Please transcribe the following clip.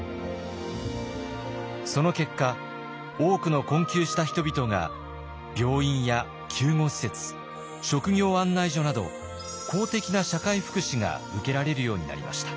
その結果多くの困窮した人々が病院や救護施設職業案内所など公的な社会福祉が受けられるようになりました。